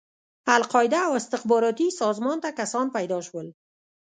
القاعده او استخباراتي سازمان ته کسان پيدا شول.